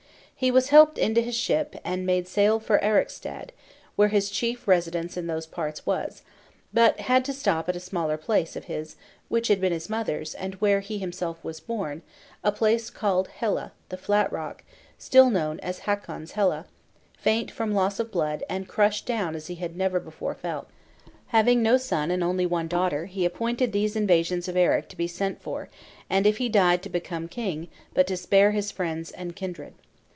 He was helped into his ship, and made sail for Alrekstad, where his chief residence in those parts was; but had to stop at a smaller place of his (which had been his mother's, and where he himself was born) a place called Hella (the Flat Rock), still known as "Hakon's Hella," faint from loss of blood, and crushed down as he had never before felt. Having no son and only one daughter, he appointed these invasive sons of Eric to be sent for, and if he died to become king; but to "spare his friends and kindred."